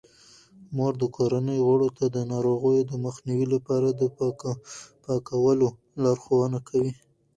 مور د کورنۍ غړو ته د ناروغیو د مخنیوي لپاره د پاکولو لارښوونه کوي.